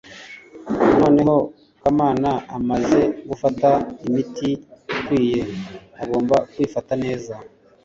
noneho kamana amaze gufata imiti ikwiye, agomba kwifata neza